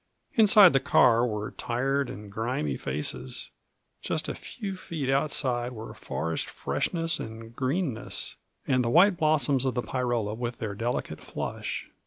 Inside the car were tired and grimy faces; just a few feet outside were forest freshness and greenness, and the white blossoms of the pyrola with their delicate flush.